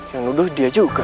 yang nuduh dia juga